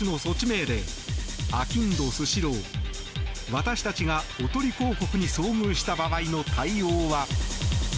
私たちがおとり広告に遭遇した場合の対応は。